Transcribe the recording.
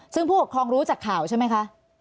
ซึ่งผู้ปกครองรู้จากข่าวใช่ไหมคะ